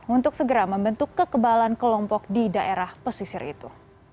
untuk segera membentuk kekebalan kelompok di daerah pesisir itu